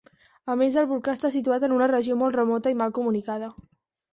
A més, el volcà està situat en una regió molt remota i mal comunicada.